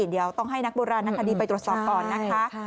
เดี๋ยวต้องให้นักโบราณนักคดีไปตรวจสอบก่อนนะคะ